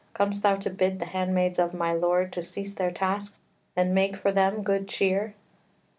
Com'st thou to bid the handmaids of my lord To cease their tasks, and make for them good cheer?